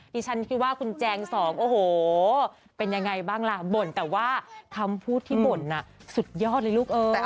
ดิฉันคิดว่าคุณแจงสองโอ้โหเป็นยังไงบ้างล่ะบ่นแต่ว่าคำพูดที่บ่นน่ะสุดยอดเลยลูกเอ้ย